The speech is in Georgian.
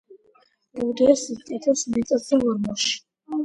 ბუდეს იკეთებს მიწაზე, ორმოში.